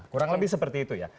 kurang lebih seperti itu ya